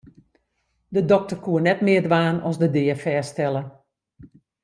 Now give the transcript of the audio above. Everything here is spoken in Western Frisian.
De dokter koe net mear dwaan as de dea fêststelle.